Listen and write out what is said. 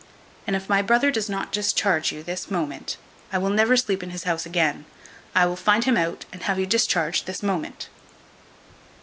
And if my brother doth not discharge you this moment, I will never sleep in his house again. I will find him out, and have you discharged this moment."